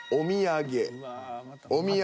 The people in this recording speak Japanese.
「お土産」。